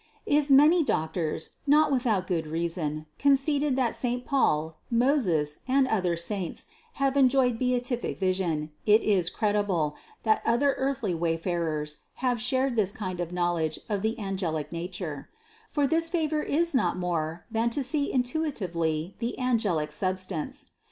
If many doctors (not without rood reason) conceded that saint Paul, Moses, and other saints have enjoyed beatific vision, it is credible, that other earthly wayfarers have shared this kind of knowledge of the angelic nature ; for this favor is no more than to see intuitively the angelic substance.